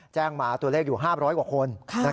แจ้งมาตัวเลขอยู่๕๐๐กว่าคน